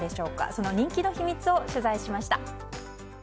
その人気の秘密を取材しました。